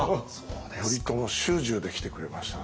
頼朝主従で来てくれましたね。